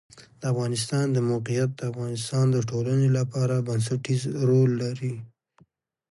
د افغانستان د موقعیت د افغانستان د ټولنې لپاره بنسټيز رول لري.